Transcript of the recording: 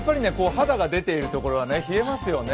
肌が出ているところは冷えますよね。